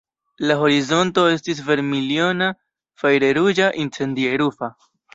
La horizonto estis vermiljona, fajre-ruĝa, incendie-rufa.